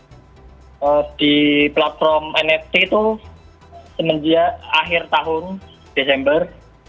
dulu saya mulai mengupload di platform nft itu semenjak akhir tahun desember